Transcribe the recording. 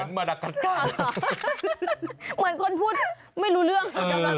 ยังไงนั่นเหรอโอ้โหเหมือนคนพูดไม่รู้เรื่อง